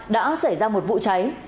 đã xảy ra một vụ cháy